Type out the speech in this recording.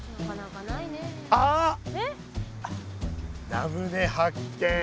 ラムネ発見！